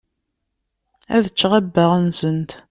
Ad ččeɣ abbaɣ-nsent.